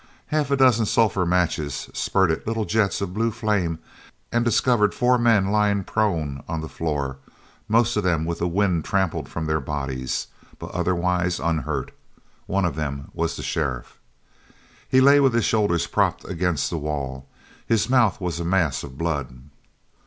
Half a dozen sulphur matches spurted little jets of blue flame and discovered four men lying prone on the floor, most of them with the wind trampled from their bodies, but otherwise unhurt. One of them was the sheriff. He lay with his shoulders propped against the wall. His mouth was a mass of blood.